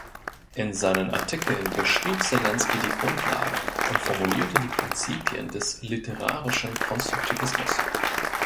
In seinen Artikeln beschrieb Selinski die Grundlagen und formulierte die Prinzipien des literarischen Konstruktivismus.